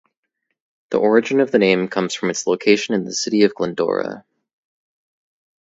The origin of the name comes from its location in the city of Glendora.